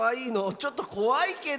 ちょっとこわいけど。